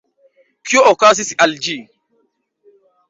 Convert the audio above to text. Kio okazis al ĝi?